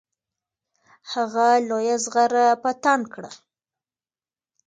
هغه لویه زغره په تن کړه.